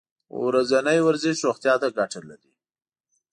ورځنی ورزش روغتیا ته ګټه لري.